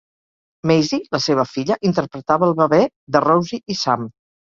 Maisy, la seva filla, interpretava el bebè de Rosie i Sam.